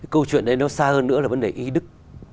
câu chuyện đấy nó xa hơn nữa là vấn đề ý đức